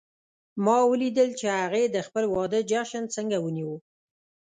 ما ولیدل چې هغې د خپل واده جشن څنګه ونیو